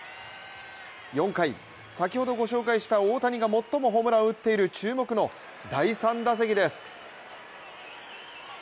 ４回、先ほどご紹介した大谷が最もホームランを打っている注目の第３打席です。